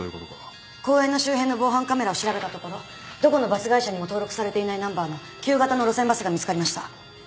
公園の周辺の防犯カメラを調べたところどこのバス会社にも登録されていないナンバーの旧型の路線バスが見つかりました。